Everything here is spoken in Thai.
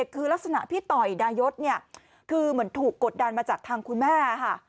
คือลักษณะพี่ต่อยดายศคือเหมือนถูกกดดันมาจากทางคุณแม่ค่ะ